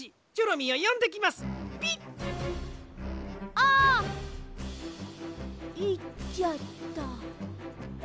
あ！いっちゃった。